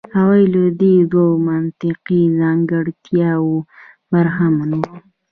هغوی له دې دوو منطقي ځانګړتیاوو برخمن وو.